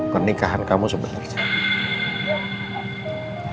peningkahan kamu sebenarnya